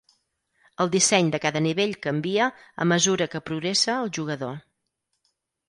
El disseny de cada nivell canvia a mesura que progressa el jugador.